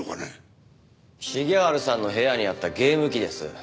重治さんの部屋にあったゲーム機です。